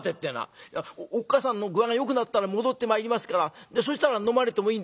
「いやおっ母さんの具合がよくなったら戻ってまいりますからそしたら飲まれてもいいんですよ。